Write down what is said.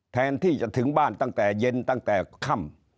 แทนที่จะถึงบ้านตั้งแต่เย็นตั้งแต่ค่ำ